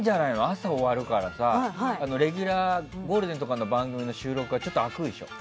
朝終わるからさレギュラー、ゴールデンとかの番組の収録とかちょっと空くでしょ。